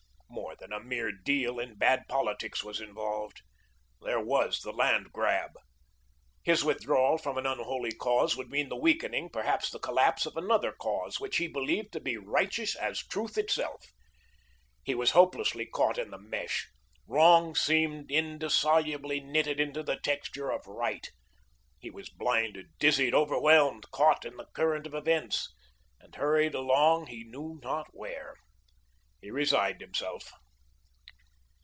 More than a mere deal in bad politics was involved. There was the land grab. His withdrawal from an unholy cause would mean the weakening, perhaps the collapse, of another cause that he believed to be righteous as truth itself. He was hopelessly caught in the mesh. Wrong seemed indissolubly knitted into the texture of Right. He was blinded, dizzied, overwhelmed, caught in the current of events, and hurried along he knew not where. He resigned himself.